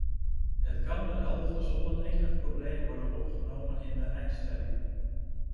Het kan derhalve zonder enig probleem worden opgenomen in de eindstemming.